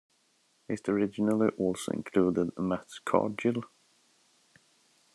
It originally also included Matt Cargill.